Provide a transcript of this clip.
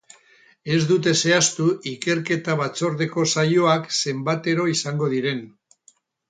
Ez dute zehaztu ikerketa batzordeko saioak zenbatero izango diren.